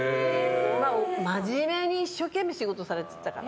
真面目に一生懸命仕事されてたから。